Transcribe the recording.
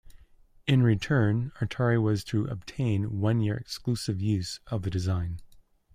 In return Atari was to obtain one-year exclusive use of the design.